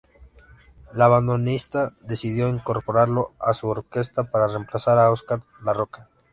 El bandoneonista decidió incorporarlo a su orquesta para reemplazar a Oscar Larroca.